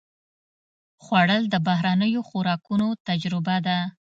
خوړل د بهرنیو خوراکونو تجربه ده